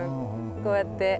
こうやって。